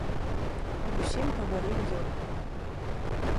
Аб усім гаварыў ён.